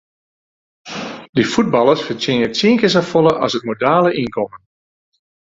Dy fuotballers fertsjinje tsien kear safolle as it modale ynkommen.